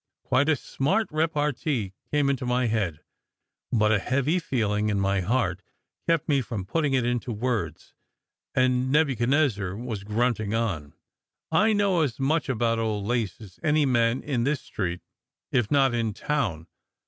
Quite a smart repartee came into my head, but a heavy feeling in my heart kept me from putting it into words ; and Nebuchadnezzar went grunting on : "I know as much about old lace as any man in this street, if not in town.